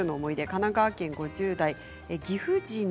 神奈川県５０代の方。